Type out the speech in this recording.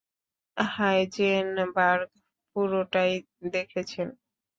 Heisenberg পুরোটাই দেখেছেন।